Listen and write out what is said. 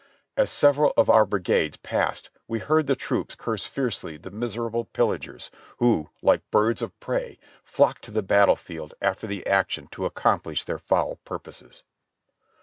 As several of our brigades passed we heard the troops curse fiercely the miserable pillagers \\ho, like birds of prey, flocked to the battle field after the action to accomplish their foul purposes.